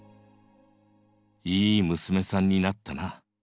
いい娘さんになったナ。